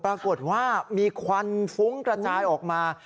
ปรากฏว่ามีควันฟุ้งกระจายออกมา